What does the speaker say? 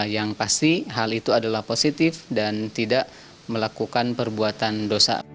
yang pasti hal itu adalah positif dan tidak melakukan perbuatan dosa